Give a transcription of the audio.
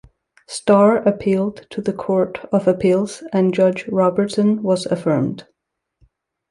Starr appealed to the Court of Appeals and Judge Robertson was affirmed.